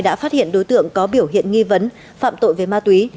đã phát hiện đối tượng có biểu hiện nghi vấn phạm tội về ma túy